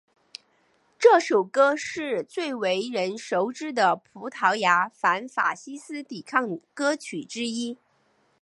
这首歌是最为人熟知的葡萄牙反法西斯抵抗歌曲之一。